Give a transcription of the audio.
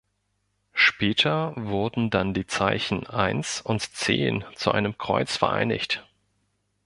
Später wurden dann die Zeichen „eins“ und „zehn“ zu einem Kreuz vereinigt.